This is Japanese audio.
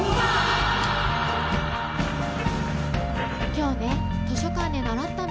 「今日ね図書館で習ったの」